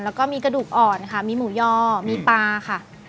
แล้วก็มีกระดูกอ่อนค่ะมีหมูย่อมีปลาค่ะ